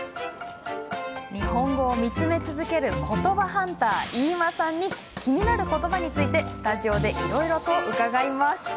日本語を見つめ続けることばハンター、飯間さんに気になることばについてスタジオで、いろいろ伺います。